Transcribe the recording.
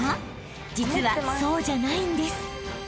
［実はそうじゃないんです］